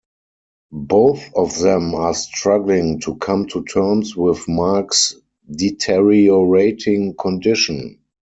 Both of them are struggling to come to terms with Mark's deteriorating condition.